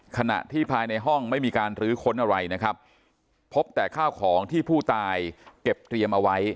ขณะที่ภายในห้องไม่มีการลื้อค้นอะไรนะครับพบแต่ข้าวของที่ผู้ตายเก็บเตรียมเอาไว้